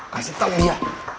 kasih tau dia